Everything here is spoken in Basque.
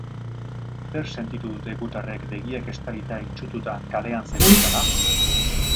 Zer sentitu dute gutarrek begiak estalita, itsututa, kalean zebiltzala?